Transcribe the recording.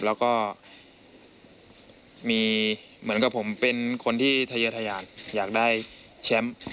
แล้วก็มีเหมือนกับผมเป็นคนที่ทะเยอะทะยานอยากได้แชมป์